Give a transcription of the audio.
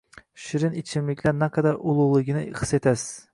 shirin ichimliklar naqadar ulug‘ligini his etasiz.